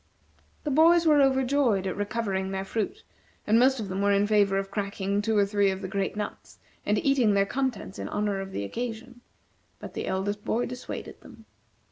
The boys were overjoyed at recovering their fruit, and most of them were in favor of cracking two or three of the great nuts, and eating their contents in honor of the occasion, but the eldest boy dissuaded them.